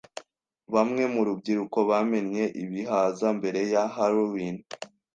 Bamwe mu rubyiruko bamennye ibihaza mbere ya Halloween.